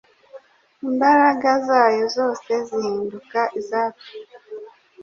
imbaraga zayo zose zihinduka izacu.